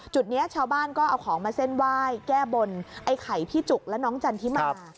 จุดนี้ชาวบ้านก็เอาของมาเส้นไหว้แก้บนไอ้ไข่พี่จุกและน้องจันทิมา